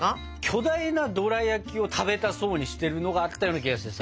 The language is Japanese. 巨大なドラやきを食べたそうにしてるのがあったような気がしてさ。